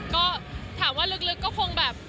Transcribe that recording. ก็ถามว่าลึกก็คงแบบ